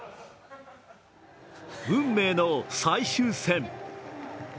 運命の最終戦。